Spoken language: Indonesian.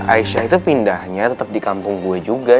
aisyah itu pindahnya tetep di kampung gue juga